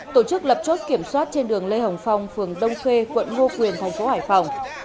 tổ chức lập chốt kiểm soát trên đường lê hồng phong phường đông khê quận ngo quyền thành phố hải phòng